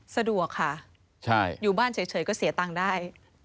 สะดวกค่ะอยู่บ้านเฉยก็เสียตังค์ได้